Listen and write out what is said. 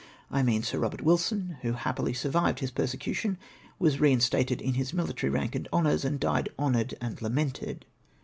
I mean Sir Eobert Wilson, who happily survived his persecution, was reinstated m his military rank and honours, and died honoured and lamented.